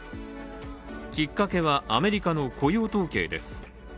きっかけはアメリカの雇用統計です。